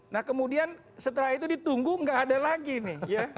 nah kemudian setelah itu ditunggu nggak ada lagi nih